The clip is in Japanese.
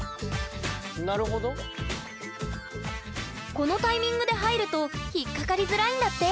このタイミングで入ると引っ掛かりづらいんだって！